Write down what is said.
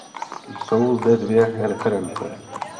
Jsou zde dvě reference.